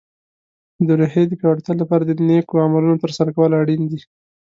د روحیې د پیاوړتیا لپاره د نیکو عملونو ترسره کول اړین دي.